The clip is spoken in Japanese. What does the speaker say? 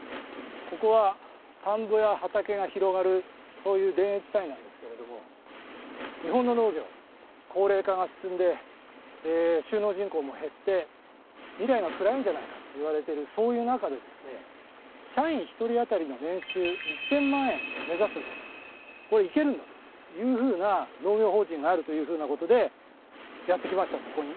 ここは田んぼや畑が広がるそういう田園地帯なんですが日本の農業、高齢化が進んで就農人口も減って未来が暗いんじゃないかといわれている、そういう中で社員１人当たりの年収１０００万円を目指すとこれ、いけるんだというふうな農業法人があるということでやってきました、ここに。